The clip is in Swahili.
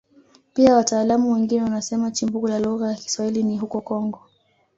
Pia wataalamu wengine wanasema chimbuko la lugha ya Kiswahili ni huko Kongo